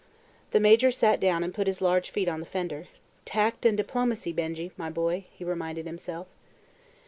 The Major sat down and put his large feet on the fender. "Tact and diplomacy, Benjy, my boy," he reminded himself.